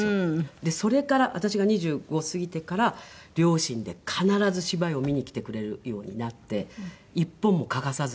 でそれから私が２５を過ぎてから両親で必ず芝居を見に来てくれるようになって一本も欠かさず。